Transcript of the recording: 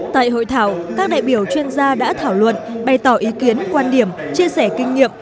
tại hội thảo các đại biểu chuyên gia đã thảo luận bày tỏ ý kiến quan điểm chia sẻ kinh nghiệm